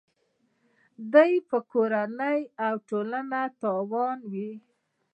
دوی پر کورنۍ او ټولنې تاوان وي.